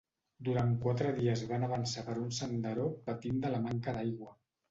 Durant quatre dies van avançar per un senderó patint de la manca d'aigua.